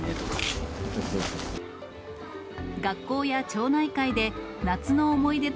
学校や町内会で、夏の思い出